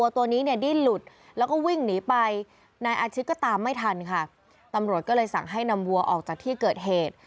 ตำรวจก็เลยสั่งให้นำวัวออกจากที่เกิดเหตุ